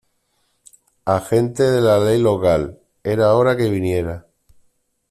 Agente de la ley local. Era hora que viniera .